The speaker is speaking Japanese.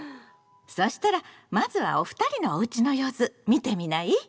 そしたらまずはお二人のおうちの様子見てみない？